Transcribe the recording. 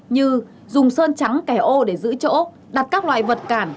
như dùng sơn trắng kẻ ô để giữ chỗ đặt các loại vật cản